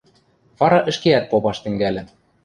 Вара ӹшкеӓт попаш тӹнгӓльӹ.